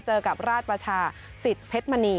เจอกับราชประชาสิทธิ์เพชรมณี